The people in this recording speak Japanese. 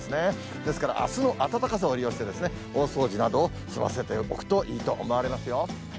ですから、あすの暖かさを利用して、大掃除などを済ませておくといいと思われますよ。